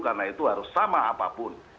karena itu harus sama apapun